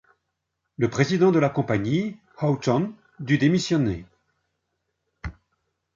Le président de la compagnie, Haughton, dut démissionner.